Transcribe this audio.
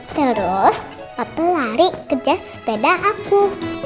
terus papa lari kejar sepeda aku